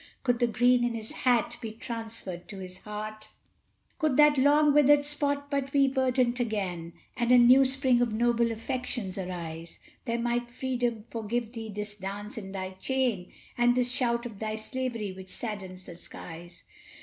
Could the green in his hat be transferred to his heart! Could that long withered spot but be verdant again, And a new spring of noble affections arise Then might Freedom forgive thee this dance in thy chain, And this shout of thy slavery which saddens the skies.